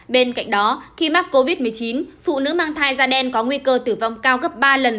bên cạnh đó khi mắc covid một mươi chín phụ nữ mang thai da đen có nguy cơ tử vong cao gấp ba lần